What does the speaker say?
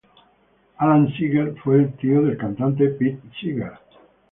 Alan Seeger fue el tío del cantante Pete Seeger.